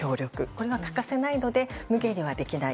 これが欠かせないのでむげにはできない。